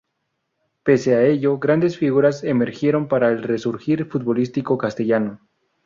Pese a ello, grandes figuras emergieron para el resurgir futbolístico castellano.